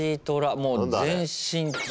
もう全身虎。